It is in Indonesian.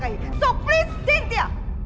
jadi tolong sintia